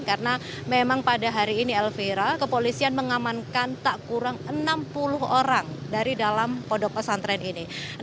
karena memang pada hari ini elvira kepolisian mengamankan tak kurang enam puluh orang dari dalam pondok kesantri ini